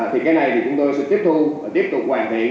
thì cái này thì chúng tôi sẽ tiếp thu và tiếp tục hoàn thiện